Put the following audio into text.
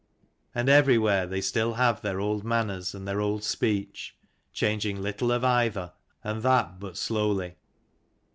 And everywhere they still have their old manners and their old speech, changing little of either, and that but slowly.